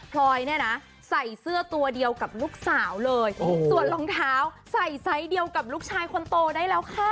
พลอยเนี่ยนะใส่เสื้อตัวเดียวกับลูกสาวเลยส่วนรองเท้าใส่ไซส์เดียวกับลูกชายคนโตได้แล้วค่ะ